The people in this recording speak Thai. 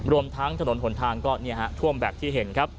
รวมทั้งถนนส่วนทางก็ท่วมแบบที่เห็น